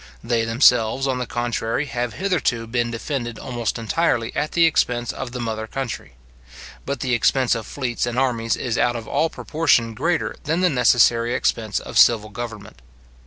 They themselves, on the contrary, have hitherto been defended almost entirely at the expense of the mother country; but the expense of fleets and armies is out of all proportion greater than the necessary expense of civil government.